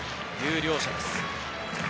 両者です。